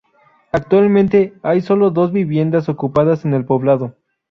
Actualmente hay sólo dos viviendas ocupadas en el poblado.